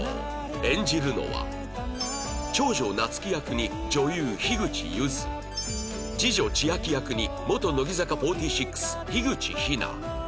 演じるのは長女夏希役に女優樋口柚子次女千秋役に元乃木坂４６樋口日奈